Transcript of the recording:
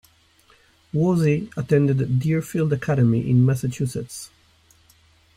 Woese attended Deerfield Academy in Massachusetts.